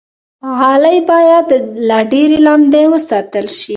غالۍ باید له ډېرې لمدې وساتل شي.